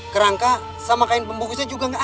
kerangka sama kain pembagusnya juga enggak ada